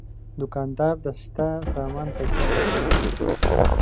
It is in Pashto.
دوکاندار د شته سامان کیفیت ته پام کوي.